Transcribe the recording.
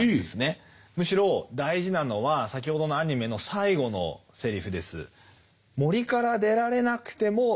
むしろ大事なのは先ほどのアニメの最後のセリフです。